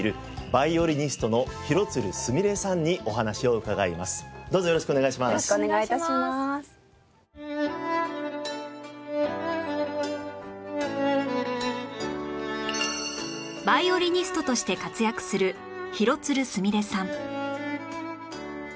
ヴァイオリニストとして活躍する廣津留すみれさん